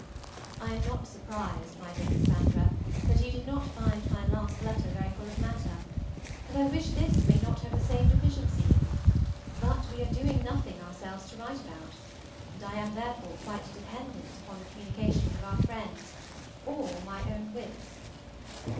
I AM not surprised, my dear Cassandra, that you did not find my last letter very full of matter, and I wish this may not have the same deficiency; but we are doing nothing ourselves to write about, and I am therefore quite dependent upon the communications of our friends, or my own wits.